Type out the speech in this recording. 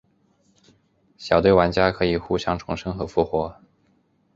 小队玩家可以互相重生和复活。